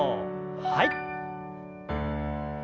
はい。